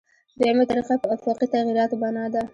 دویمه طریقه په آفاقي تغییراتو بنا ده.